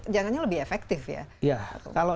jangan lebih efektif ya ya kalau